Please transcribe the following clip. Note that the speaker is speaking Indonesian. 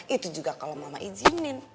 itu juga kalau mama izinin